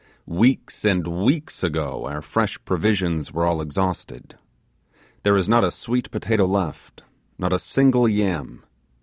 Weeks and weeks ago our fresh provisions were all exhausted. There is not a sweet potato left; not a single yam.